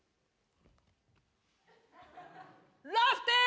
ラフテー！